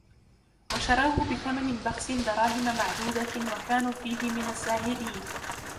وشروه بثمن بخس دراهم معدودة وكانوا فيه من الزاهدين